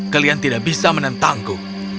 kalian tidak bisa menentangku